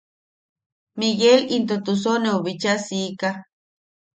Miguel into Tusoneu bicha siika;.